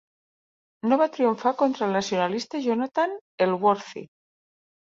No va triomfar contra el nacionalista Jonathan Elworthy.